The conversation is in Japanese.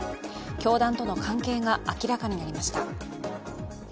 教団との関係が明らかになりました。